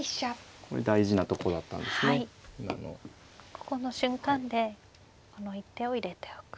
ここの瞬間でこの一手を入れておく。